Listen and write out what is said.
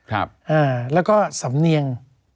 แล้วก็สำเนียง